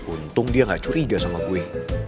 untung dia gak curiga sama bui